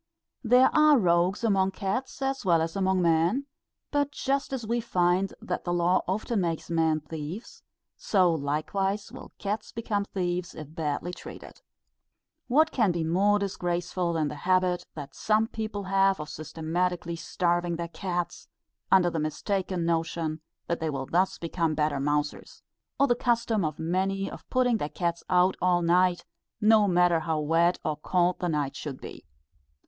There are rogues among cats as well as among men; but just as we find that the law often makes men thieves, so likewise will cats become thieves if badly treated. What can be more disgraceful than the habit that some people have of systematically starving their cats, under the mistaken notion that they will thus become better mousers; or the custom of many of putting their cats out all night, no matter how wet or cold the night should be.